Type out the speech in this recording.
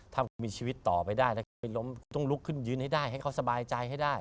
ถ้าคุณมีชีวิตต่อไปได้แล้วคุณไปล้มคุณต้องลุกขึ้นยืนให้ได้ให้เขาสบายใจให้ได้